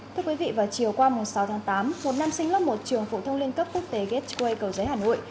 thưa quý vị vào chiều qua sáu tháng tám một nam sinh lớp một trường phụ thông liên cấp quốc tế gateway cầu giấy hà nội